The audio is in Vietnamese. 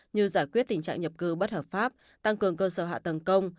như giải quyết tình trạng nhập cư bất hợp pháp tăng cường cơ sở hạ tầng công